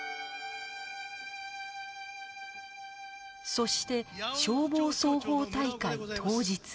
そして消防操法大会当日